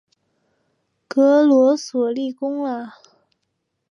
格罗索立功啦！